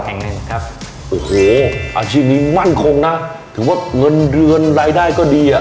อย่างนั้นครับโอ้โหอาชีพนี้มั่นคงนะถือว่าเงินเดือนรายได้ก็ดีอ่ะ